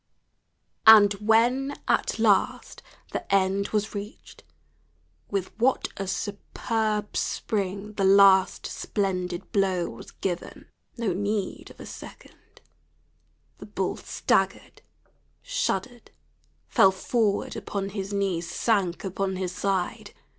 And when at last the end was reached, with what a superb spring the last splendid blow was given! No need of a second; the bull staggered, shuddered, fell forward upon his knees, sank upon his side.